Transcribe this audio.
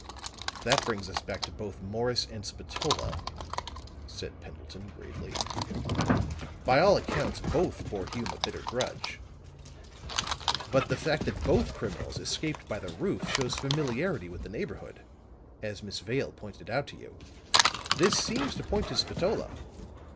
"That brings us back to both Morris and Spatola," said Pendleton, gravely. "By all accounts both bore Hume a bitter grudge. But the fact that both criminals escaped by the roof shows familiarity with the neighborhood, as Miss Vale pointed out to you. This seems to point to Spatola."